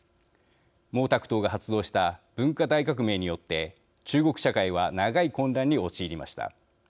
毛沢東が発動した文化大革命によって中国社会は長い混乱に陥りました。